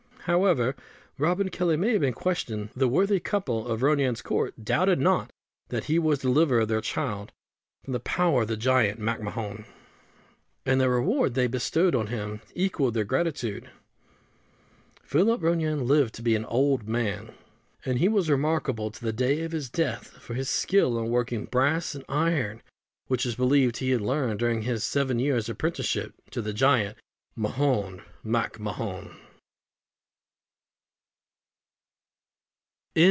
However Robin Kelly may have been questioned, the worthy couple of Ronayne's Court doubted not that he was the deliverer of their child from the power of the giant MacMahon; and the reward they bestowed on him equalled their gratitude. Philip Ronayne lived to be an old man; and he was remarkable to the day of his death for his skill in working brass and iron, which it was believed he had learned during his seven years' apprenticeship to the giant Mahon MacMahon.